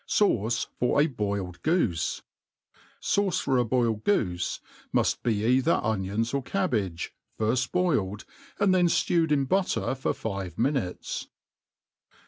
Sauce for a boiled Goofe. SAUCE for a boiled goofe muft be either onions or cabbage^ firft boiled, and then ftewed in butter for five minutes.